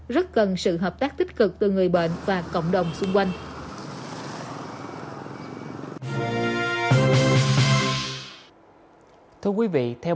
rất cần sự hợp tác tích cực từ người bệnh và cộng đồng sinh viên